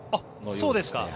そうですか。